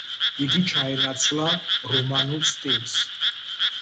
იგი ჩაენაცვლა რომანულ სტილს.